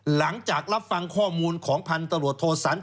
หลังจากรับฟังข้อมูลของพันธุ์ตำรวจโทษสันทนัก